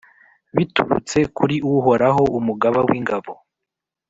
biturutse kuri Uhoraho, Umugaba w’ingabo,